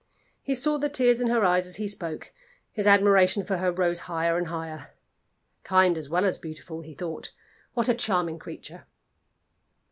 He saw the tears in her eyes as he spoke; his admiration for her rose higher and higher. "Kind as well as beautiful," he thought. "What a charming creature!"